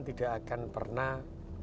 tidak akan pernah